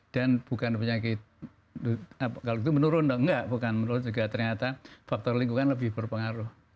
dan bukan penyakit kalau itu menurun enggak bukan menurun juga ternyata faktor lingkungan lebih berpengaruh